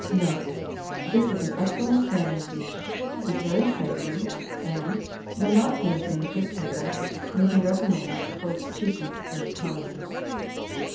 Note. This is an excellent family dish, is very savoury, and, though not seen at many good tables, may be recommended for its cheapness and economy.